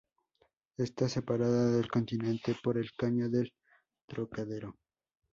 Está separada del continente por el caño del Trocadero.